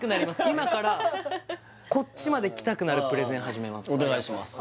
今からこっちまで来たくなるプレゼン始めますお願いします